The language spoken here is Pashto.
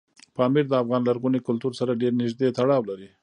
پامیر د افغان لرغوني کلتور سره ډېر نږدې تړاو لري.